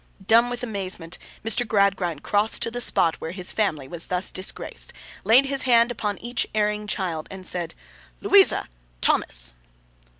Dumb with amazement, Mr. Gradgrind crossed to the spot where his family was thus disgraced, laid his hand upon each erring child, and said: 'Louisa!! Thomas!!